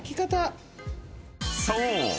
［そう！